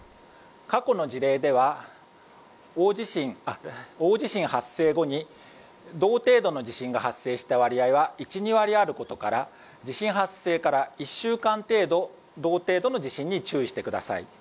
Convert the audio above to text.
過去の事例では大地震発生後に同程度の地震が発生した割合は１２割あることから地震発生から１週間程度同程度の地震に注意してください。